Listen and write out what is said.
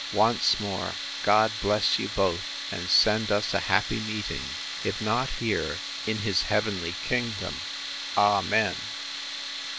—Once more, God bless you both! and send us a happy meeting; if not here, in his heavenly kingdom. Amen.